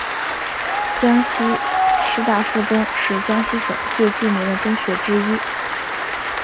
江西师大附中是江西省最著名的中学之一。